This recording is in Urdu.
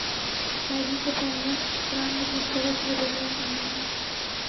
سحری سے پہلے قرآن مجید کھولا سورہ بقرہ سامنے تھی۔